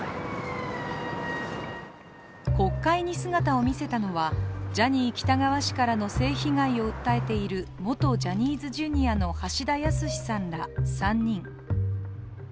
国会に姿を見せたのはジャニー喜多川氏からの性被害を訴えている元ジャニーズＪｒ．の橋田康さんら３人。